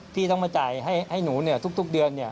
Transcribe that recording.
ที่ต้องมาจ่ายให้หนูทุกเดือน